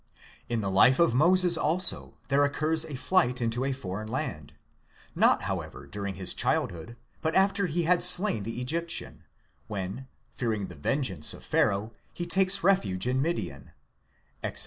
In the life of Moses also there occurs a flight into a foreign land; not, however, during his child hood, but after he had slain the Egyptian, when, fearing the vengeance of Pharaoh, he takes refuge in Midian (Exod.